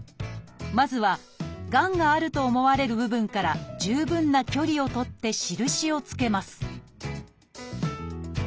まずはがんがあると思われる部分から十分な距離を取って印を付けます